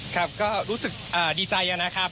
ครับก็รู้สึกดีใจนะครับ